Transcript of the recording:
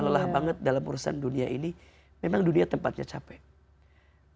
ya lelah banget dalam urusan dunia ini memang dunia tempat lelah itu yaa